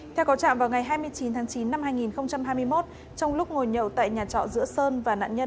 theo có trạm vào ngày hai mươi chín tháng chín năm hai nghìn hai mươi một trong lúc ngồi nhậu tại nhà trọ giữa sơn và nạn nhân